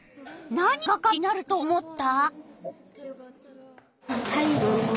何が手がかりになると思った？